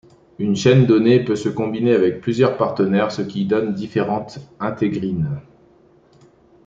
Une chaîne donnée peut se combiner avec plusieurs partenaires, ce qui donne différentes intégrines.